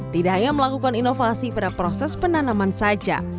tidak hanya melakukan inovasi pada proses penanaman saja